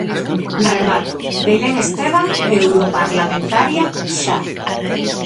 Remato: Belén Esteban europarlamentaria xa.